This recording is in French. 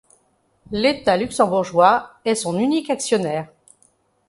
L'État luxembourgeois est son unique actionnaire.